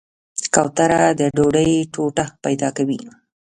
کوتره د ډوډۍ ټوټه پیدا کوي.